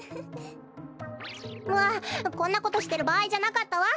わっこんなことしてるばあいじゃなかったわ！